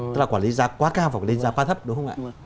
tức là quản lý giá quá cao và quản lý giá quá thấp đúng không ạ